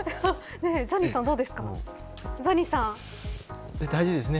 ザニーさん、どうですか。